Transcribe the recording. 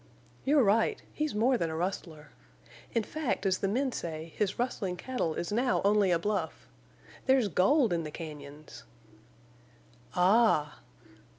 "You're right. He's more than a rustler. In fact, as the men say, his rustling cattle is now only a bluff. There's gold in the cañons!" "Ah!"